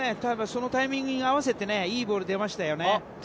そのタイミングに合わせていいボールが出ましたね。